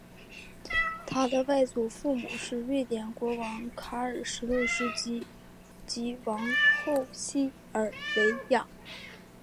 他的外祖父母是瑞典国王卡尔十六世及王后西尔维娅。